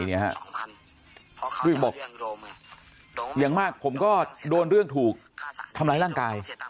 บอกอย่างมากผมก็โดนเรื่องถูกทำร้ายร่างกาย